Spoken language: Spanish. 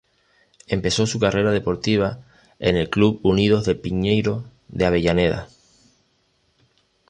Empezó su carrera deportiva en el Club Unidos de Piñeiro de Avellaneda.